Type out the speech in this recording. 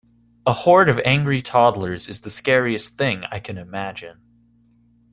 A horde of angry toddlers is the scariest thing I can imagine.